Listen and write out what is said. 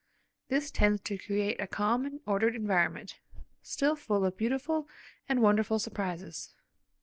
This tends to create a calm and ordered environment, still full of beautiful and wonderful surprises.